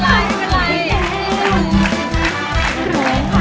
จากการเช็คแล้วนะครับ